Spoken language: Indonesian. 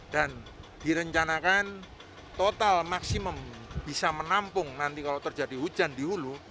dan direncanakan total maksimum bisa menampung nanti kalau terjadi hujan di hulu